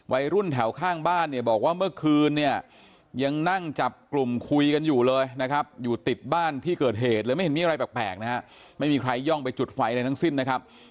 วัยรุ่นแถวข้างบ้านเนี่ยบอกว่าเมื่อคืนเนี่ยยังนั่งจับกลุ่มคุยกันอยู่เลยนะครับอยู่ติดบ้านที่เกิดเหตุเลยไม่เห็นมีอะไรแปลกนะฮะไม่มีใครย่องไปจุดไฟอะไรทั้งสิ้นนะครับ